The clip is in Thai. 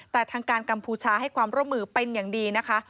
แต่ทางการกัมพูชาให้ความร่วมมือเป็นอย่างดีนะคะ